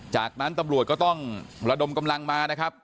จากนั้นตำรวจก็ต้องระดมกำลังมานะครับ